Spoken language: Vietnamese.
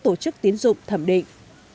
tổ chức tiến dụng thẩm định